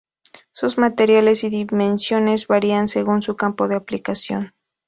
Sus materiales y dimensiones varían según su campo de aplicación.